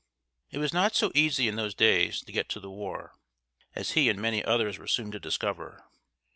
It was not so easy in those days to get to the war, as he and many others were soon to discover.